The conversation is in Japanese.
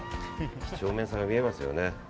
几帳面さが見えますよね。